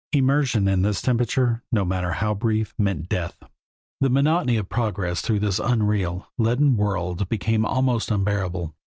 Immersion in this temperature, no matter how brief, meant death. The monotony of progress through this unreal, leaden world became almost unbearable.